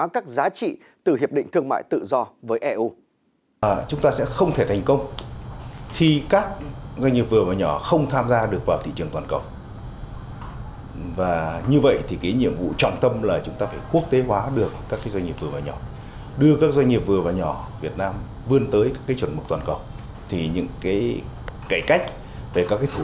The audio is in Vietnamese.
và các giá trị từ hiệp định thương mại tự do với eu